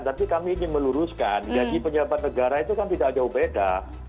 tapi kami ingin meluruskan gaji pejabat negara itu kan tidak jauh beda